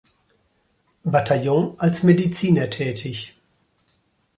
Bataillon als Mediziner tätig.